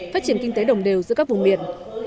phát triển kinh tế đồng đều giữa các vùng miền